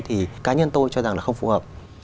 thì cá nhân tôi cho rằng là không phù hợp